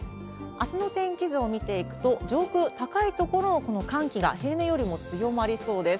あすの天気図を見ていくと、上空、高い所のこの寒気が、平年よりも強まりそうです。